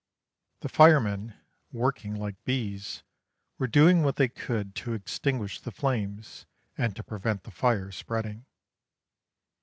The firemen, working like bees, were doing what they could to extinguish the flames and to prevent the fire spreading.